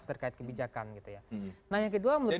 terkait kebijakan gitu ya nah yang kedua menurut